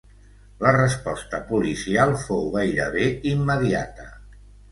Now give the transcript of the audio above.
La resposta policial fou gairebé immediata.